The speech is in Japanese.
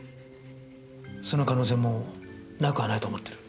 その可能性もなくはないと思ってる。